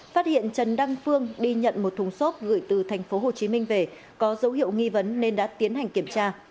phát hiện trần đăng phương đi nhận một thùng xốp gửi từ tp hcm về có dấu hiệu nghi vấn nên đã tiến hành kiểm tra